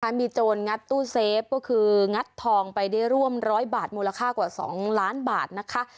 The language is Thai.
มีโจรงัดตู้เซฟก็คืองัดทองไปได้ร่วมร้อยบาทมูลค่ากว่า๒ล้านบาทนะคะ